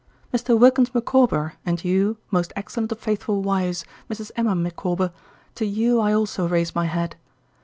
Mr. Wilkins Micawber, and you, most excellent of faithful wives, Mrs. Emma Micawber, to you I also raise my hat.